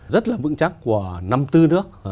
rất là vững chắc của năm bốn nước